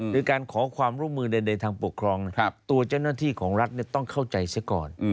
คือการขอความร่วมมือใดทางปกครองตัวเจ้าหน้าที่ของรัฐต้องเข้าใจเสียก่อน